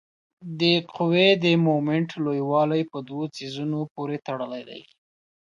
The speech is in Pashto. د قوې د مومنټ لویوالی په دوو څیزونو پورې تړلی دی.